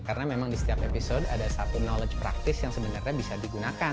karena memang di setiap episode ada satu knowledge praktis yang sebenarnya bisa digunakan